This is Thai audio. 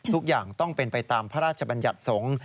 ทุกอย่างต้องเป็นไปตามพระราชบัญญัติสงฆ์